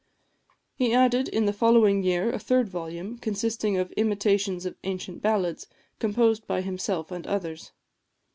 He added in the following year a third volume, consisting of imitations of ancient ballads, composed by himself and others.